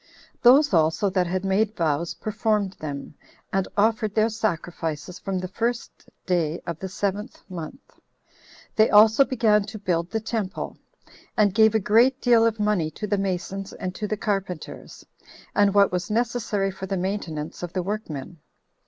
Those also that had made vows performed them, and offered their sacrifices from the first day of the seventh month. They also began to build the temple, and gave a great deal of money to the masons and to the carpenters, and what was necessary for the maintenance of the workmen.